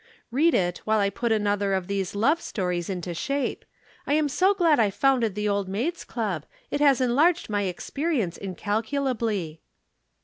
Read it, while I put another of these love stories into shape. I am so glad I founded the Old Maids' Club. It has enlarged my experience incalculably."